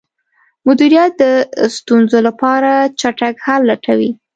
مدیریت د ستونزو لپاره چټک حل لټوي.